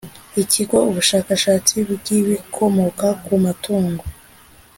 Ikigo ubushakashatsi bw’ibikomoka ku matungo